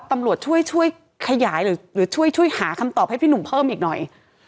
ตำรวจช่วยช่วยขยายหรือช่วยหาคำตอบให้พี่หนุ่มเพิ่มอีกหน่อย